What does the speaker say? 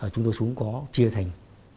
chúng tôi xuống có chia thành